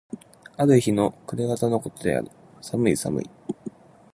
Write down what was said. ある日の暮方の事である。寒い寒い。